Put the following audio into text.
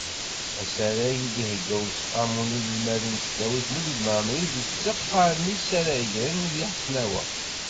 Asarag i d-ihegga Useqqamu n yinelmaden n tesdawit Mulud Mɛemmri deg tzeqqa n yisaragen di Hesnawa.